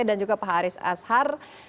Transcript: dan juga pak haris ashar